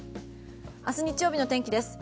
明日日曜日の天気です。